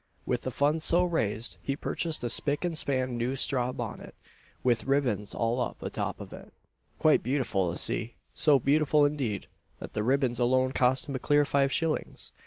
With the funds so raised, he purchased a spick and span new straw bonnet, with ribbons all up a top of it, quite beautiful to see so beautiful, indeed, that the ribbons alone cost him a clear five shillings.